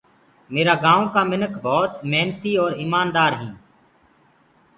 ميرآ گائونٚ ڪآ مِنک ڀوت مهنتي اور ايماندآر هينٚ